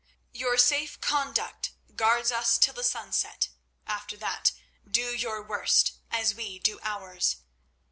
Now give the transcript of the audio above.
Your safe conduct guards us till the sunset. After that, do your worst, as we do ours.